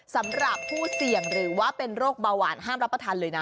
สำหรับผู้เสี่ยงหรือว่าเป็นโรคเบาหวานห้ามรับประทานเลยนะ